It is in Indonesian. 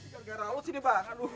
gara gara lo sih nih pak